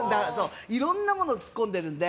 いろんなものを突っ込んでいるんで。